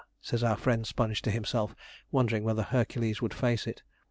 says our friend Sponge to himself, wondering whether Hercules would face it.